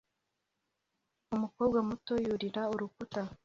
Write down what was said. Umukobwa muto yurira urukuta